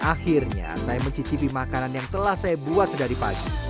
akhirnya saya mencicipi makanan yang telah saya buat sedari pagi